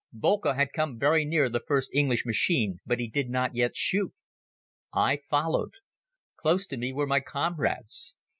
Boelcke had come very near the first English machine but he did not yet shoot. I followed. Close to me were my comrades.